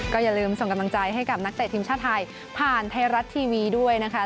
อย่าลืมส่งกำลังใจให้กับนักเตะทีมชาติไทยผ่านไทยรัฐทีวีด้วยนะคะ